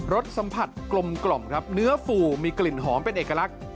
สสัมผัสกลมครับเนื้อฟูมีกลิ่นหอมเป็นเอกลักษณ์